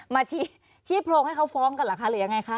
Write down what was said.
มาชี้โพงให้เขาฟ้องกันหรือยังไงคะ